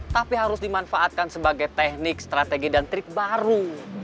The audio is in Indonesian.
tapi harus dimanfaatkan sebagai teknik strategi dan trik baru